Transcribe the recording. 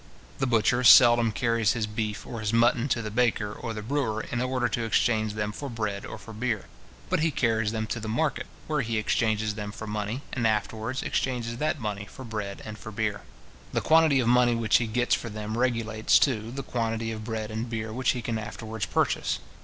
The butcher seldom carries his beef or his mutton to the baker or the brewer, in order to exchange them for bread or for beer; but he carries them to the market, where he exchanges them for money, and afterwards exchanges that money for bread and for beer. The quantity of money which he gets for them regulates, too, the quantity of bread and beer which he can afterwards purchase.